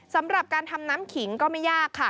สำหรับการทำน้ำขิงก็ไม่ยากค่ะ